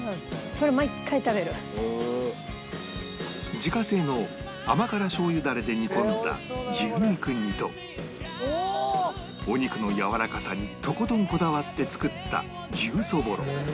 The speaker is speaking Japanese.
自家製の甘辛しょう油ダレで煮込んだ牛肉煮とお肉のやわらかさにとことんこだわって作った牛そぼろ